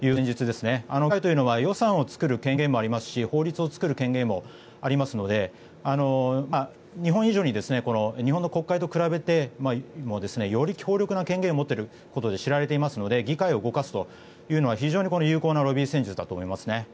議会というのは予算を作る権限もありますし法律を作る権限もありますので日本以上に日本の国会と比べてもより強力な権限を持っていることで知られていますので議会を動かすというのは非常に有効なロビー戦術だと思います。